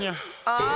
ああ。